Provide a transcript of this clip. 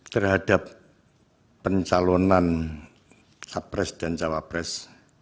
terhadap pencalonan capres dan cawapres